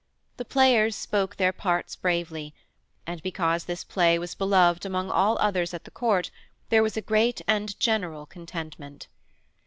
The players spoke their parts bravely, and, because this play was beloved among all others at the Court, there was a great and general contentment.